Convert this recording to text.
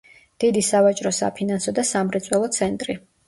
დიდი სავაჭრო-საფინანსო და სამრეწველო ცენტრი.